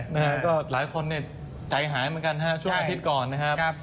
นะฮะก็หลายคนเนี่ยใจหายเหมือนกันฮะช่วงอาทิตย์ก่อนนะครับ